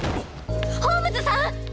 ホームズさん